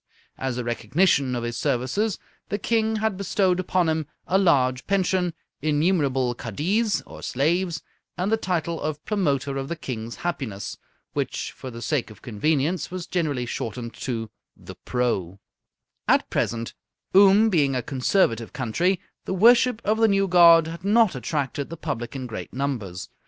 As a recognition of his services, the King had bestowed upon him a large pension, innumerable kaddiz or slaves, and the title of Promoter of the King's Happiness, which for the sake of convenience was generally shortened to The Pro. At present, Oom being a conservative country, the worship of the new god had not attracted the public in great numbers.